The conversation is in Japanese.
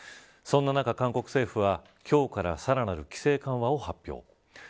そんな中、韓国政府は今日からさらなる規制緩和を発表。